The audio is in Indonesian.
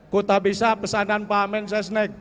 kutabisa pesanan pak mensesnek